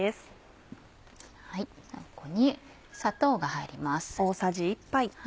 ここに砂糖が入ります。